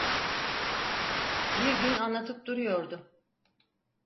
Bir gün anlatıp duruyordu: